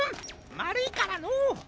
まるいからのう。